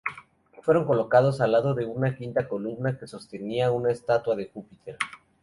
Fueron colocados al lado de una quinta columna que sostenía una estatua de Júpiter.